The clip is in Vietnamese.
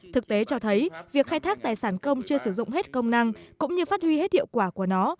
thực tế cho thấy việc khai thác tài sản công chưa sử dụng hết công năng cũng như phát huy hết hiệu quả của nó